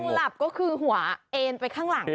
หลับก็คือหัวเอ็นไปข้างหลัง